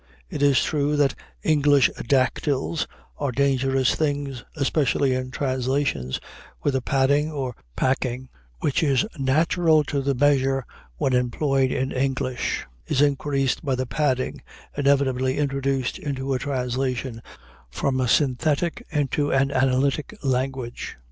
It is true that English dactyls are dangerous things, especially in translations, where the padding or packing which is natural to the measure when employed in English, is increased by the padding inevitably introduced into a translation from a synthetic into an analytic language.